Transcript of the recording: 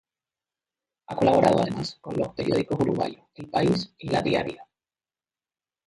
Ha colaborado además con los periódicos uruguayos "El País" y "La Diaria".